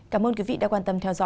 cảm ơn quý vị đã quan tâm theo dõi